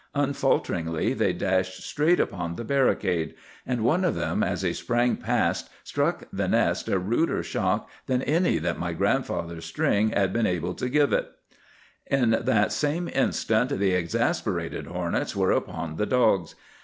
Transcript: Unfalteringly they dashed straight upon the barricade; and one of them, as he sprang past, struck the nest a ruder shock than any that my grandfather's string had been able to give it. [Illustration: Saved by a Hornets' Nest.—Page 313.] "In that same instant the exasperated hornets were upon the dogs.